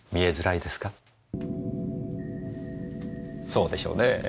そうでしょうねぇ。